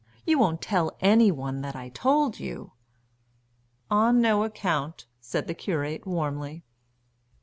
"You won't tell any one that I told you?" "On no account," said the curate, warmly.